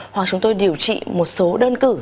hoặc chúng tôi điều trị một số đơn cử